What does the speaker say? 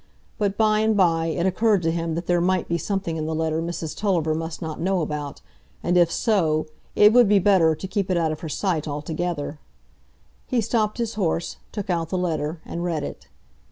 But by and by it occurred to him that there might be something in the letter Mrs Tulliver must not know about, and if so, it would be better to keep it out of her sight altogether. He stopped his horse, took out the letter, and read it.